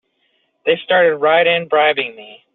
They started right in bribing me!